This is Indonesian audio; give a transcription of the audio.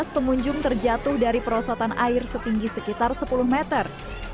tujuh belas pengunjung terjatuh dari perosotan air setinggi sekitar sepuluh meter